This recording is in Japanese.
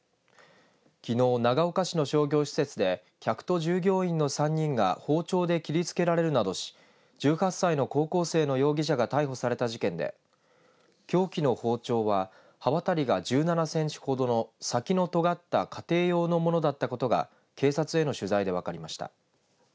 きのう、長岡市の商業施設で客と従業員の３人が包丁で切りつけられるなどし１８歳の高校生の容疑者が逮捕された事件で凶器の包丁は刃渡りが１７センチほどの先のとがった家庭用のものだったことが警察への取材で分かりました。